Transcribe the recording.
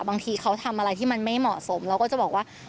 บางทีเขาทำอะไรที่มันไม่เหมาะสมเราก็จะบอกว่า